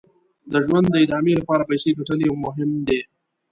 د ژوند د ادامې لپاره پیسې ګټل یې مهم دي.